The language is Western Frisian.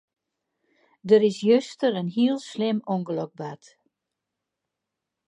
Der is juster in heel slim ûngelok bard.